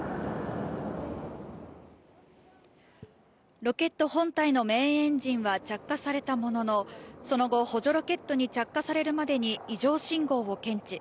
ロケット本体のメインエンジンは着火されたものの、その後、補助ロケットに着火されるまでに異常信号を検知。